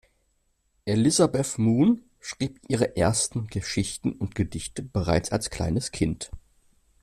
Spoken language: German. Elizabeth Moon schrieb ihre ersten Geschichten und Gedichte bereits als kleines Kind.